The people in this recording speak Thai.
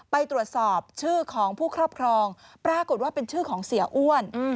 ไปตรวจสอบชื่อของผู้ครอบครองปรากฏว่าเป็นชื่อของเสียอ้วน